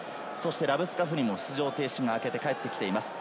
ラブスカフニも出場停止が明けて帰ってきています。